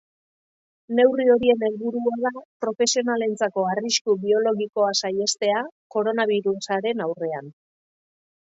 Neurri horien helburua da profesionalentzako arrisku biologikoa saihestea, koronabirusaren aurrean.